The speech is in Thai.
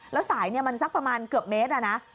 แล้วสายมันสักประมาณเกือบเมตรนะ